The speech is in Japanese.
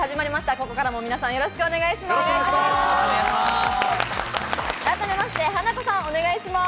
ここからも皆さん、よろしくお願いします。